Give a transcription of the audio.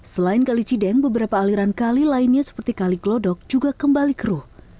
selain kali cideng beberapa aliran kali lainnya seperti kali glodok juga kembali keruh